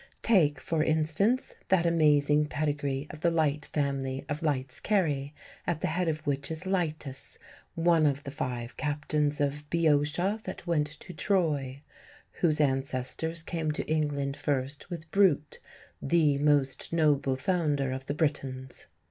Take, for instance, that amazing pedigree of the Lyte family of Lytes Cary, at the head of which is "Leitus (one of the five captains of Beotia that went to Troye)," whose ancestors came to England first with Brute, "the most noble founder of the Britons."